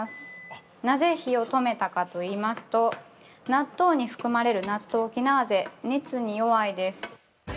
なぜ火を止めたかといいますと、納豆に含まれる納豆キナーゼが熱に弱いです。